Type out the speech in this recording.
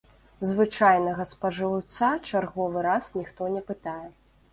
Звычайнага спажыўца чарговы раз ніхто не пытае.